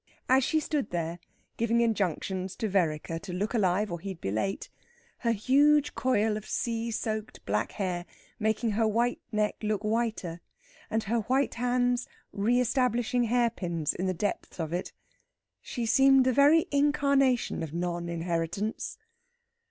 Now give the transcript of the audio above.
As she stood there, giving injunctions to Vereker to look alive or he'd be late, her huge coil of sea soaked black hair making her white neck look whiter, and her white hands reestablishing hair pins in the depths of it, she seemed the very incarnation of non inheritance.